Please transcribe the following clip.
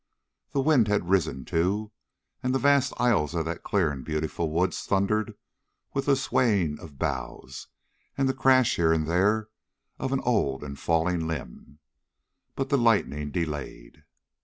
The wind had risen, too, and the vast aisles of that clear and beautiful wood thundered with the swaying of boughs, and the crash here and there of an old and falling limb. But the lightning delayed.